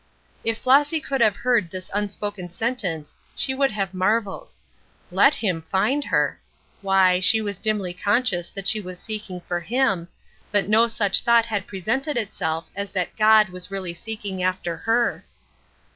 If Flossy could have heard this unspoken sentence she would have marveled. "Let Him find her!" Why, she was dimly conscious that she was seeking for Him, but no such thought had presented itself as that God was really seeking after her.